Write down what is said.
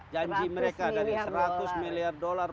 janji mereka dari seratus billion dollar